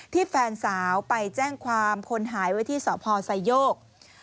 แฟนสาวไปแจ้งความคนหายไว้ที่สพไซโยก